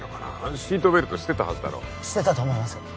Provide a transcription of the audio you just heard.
シートベルトしてたはずだろしてたと思います